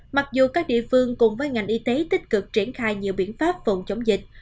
mặc dù các địa phương cùng với ngành y tế tích cực triển khai nhiều biện pháp phòng chống dịch